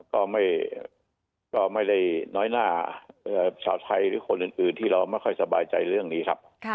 ก็ไม่ได้น้อยหน้าชาวไทยหรือคนอื่นที่เราไม่ค่อยสบายใจเรื่องนี้ครับ